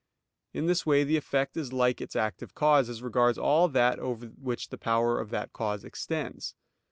In this way the effect is like its active cause as regards all that over which the power of that cause extends.